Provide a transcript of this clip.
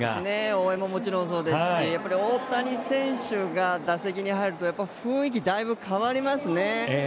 応援ももちろんそうですし大谷選手が打席に入ると雰囲気がだいぶ変わりますね。